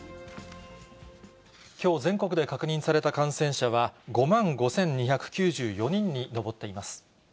きょう、全国で確認された感染者は、５万５２９４人に上っています。